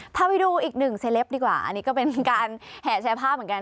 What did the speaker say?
ถ้าไปดูอีกหนึ่งเซลปดีกว่าอันนี้ก็เป็นการแห่แชร์ภาพเหมือนกัน